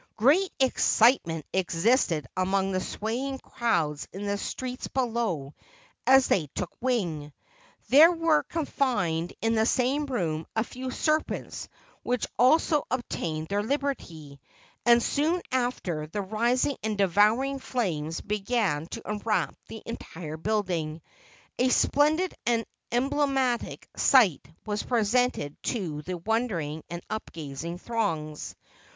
Great excitement existed among the swaying crowds in the streets below as they took wing. There were confined in the same room a few serpents which also obtained their liberty; and soon after the rising and devouring flames began to enwrap the entire building, a splendid and emblematic sight was presented to the wondering and upgazing throngs.